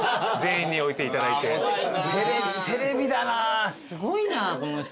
テレビだなすごいなこの人。